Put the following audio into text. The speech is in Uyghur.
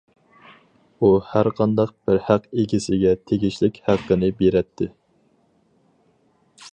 ئۇ ھەرقانداق بىر ھەق ئىگىسىگە تېگىشلىك ھەققىنى بېرەتتى.